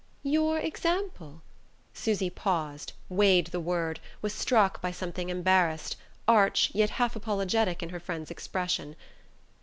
"Your example?" Susy paused, weighed the word, was struck by something embarrassed, arch yet half apologetic in her friend's expression.